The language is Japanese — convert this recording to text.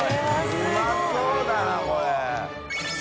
うまそうだなこれ。